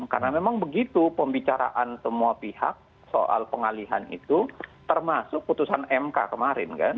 karena memang begitu pembicaraan semua pihak soal pengalihan itu termasuk putusan mk kemarin kan